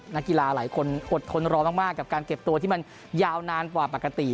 นักกีฬาหลายคนอดทนรอมากกับการเก็บตัวที่มันยาวนานกว่าปกติ